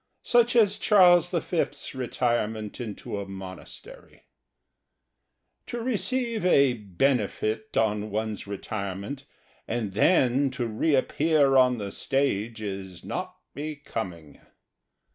Such as Charles the Fifth's retirement into a monastery. To receive a "benefit" on one's retirement and then to reappear on the stage is not becoming.